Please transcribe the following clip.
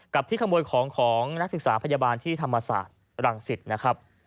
กับที่ขโมยของนักศึกษาพยาบาลที่ธรรมศาสตร์หลังสิทธิ์